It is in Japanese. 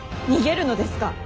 逃げるのですか。